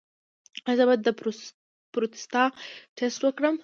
ایا زه باید د پروستات ټسټ وکړم؟